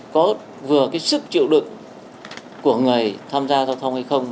có vừa cái sức chịu đựng của người tham gia giao thông hay không